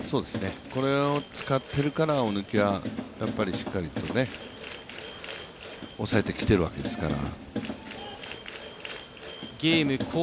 これを使っているから大貫はしっかりと抑えてきているわけですから。